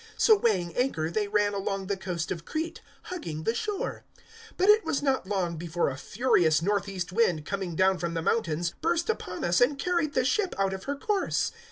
So weighing anchor they ran along the coast of Crete, hugging the shore. 027:014 But it was not long before a furious north east wind, coming down from the mountains, burst upon us and carried the ship out of her course.